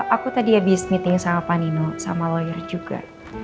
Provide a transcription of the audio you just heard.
aku tadi habis meeting sama panino sama lawyer juga